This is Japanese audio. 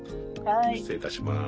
失礼いたします。